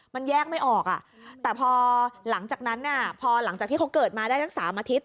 มันแยกไม่ออกแต่พอหลังจากนั้นพอหลังจากที่เขาเกิดมาได้สัก๓อาทิตย